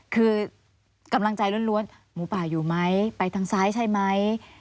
คือกำลังใจล้วนหมูป่าอยู่ไหมไปทางซ้ายใช่ไหม